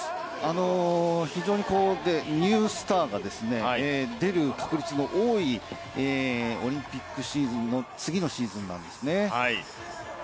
非常にニュースターが出る確率の多いオリンピックシーズンの次のシーズンなんですね。